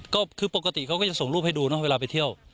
ก็คือปกติเขาก็จะส่งรูปให้ดูนะเวลาไปเที่ยว